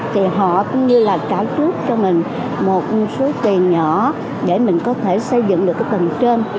thì họ cũng như là trả trước cho mình một số tiền nhỏ để mình có thể xây dựng được cái tầng trên